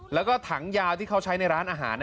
แล้วก็ถังยาวที่เขาใช้ในร้านอาหาร